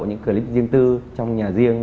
những clip riêng tư trong nhà riêng